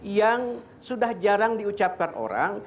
yang sudah jarang diucapkan orang